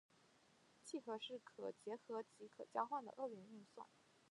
楔和是可结合及可交换的二元运算。